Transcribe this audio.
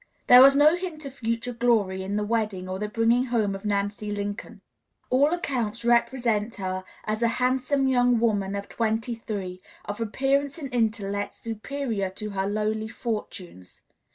There was no hint of future glory in the wedding or the bringing home of Nancy Lincoln. All accounts represent her as a handsome young woman of twenty three, of appearance and intellect superior to her lowly fortunes.